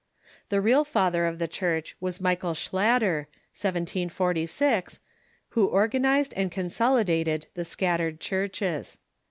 The real father of tlie Church was Michael Schlatter, 1746, Avho organ ized and consolidated the scattered churches.